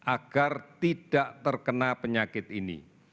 agar tidak terkena penyakit ini